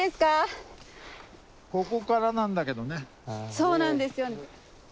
そうなんですよ。